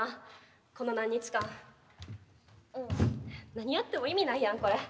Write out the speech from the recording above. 何やっても意味ないやんこれ。